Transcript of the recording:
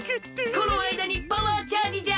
このあいだにパワーチャージじゃ！